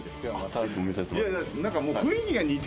何かもう。